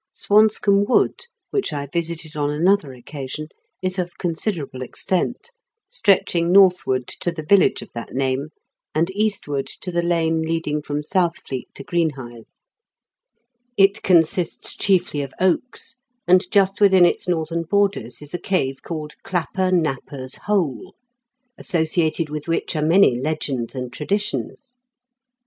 Swanscomb Wood, which I visited on another occasion, is of considerable extent, stretching northward to the village of that name, and eastward to the lane leading from Southfleet to Greenhithe. It consists chiefly of oaks, and just within its northern borders ONE OF DIGKENffS FAVOUBITE WALKS. U is a cave called Clapper Napper's Hole, asso ciated with which are many legends and traditions.